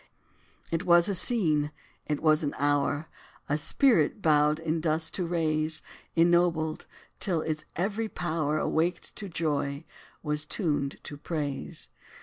It was a scene it was an hour A spirit bowed in dust to raise Ennobled, till its every power, Awaked to joy, was tuned to praise.